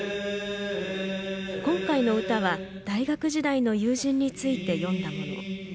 今回の歌は、大学時代の友人について詠んだもの。